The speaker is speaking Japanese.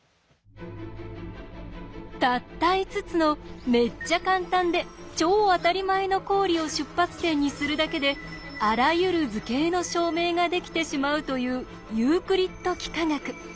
たった５つのめっちゃカンタンで超あたりまえの公理を出発点にするだけであらゆる図形の証明ができてしまうというユークリッド幾何学。